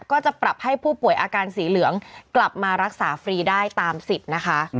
ก็จะปรับให้ผู้ป่วยอาการสีเหลืองกลับมารักษาฟรีได้ตามสิทธิ์นะคะ